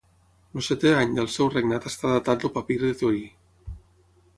El setè any del seu regnat està datat el papir de Torí.